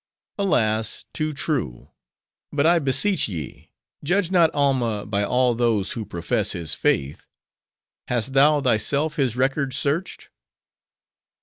"Alas! too true. But I beseech ye, judge not Alma by all those who profess his faith. Hast thou thyself his records searched?"